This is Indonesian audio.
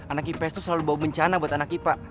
anak ips tuh selalu bawa bencana buat anak ipa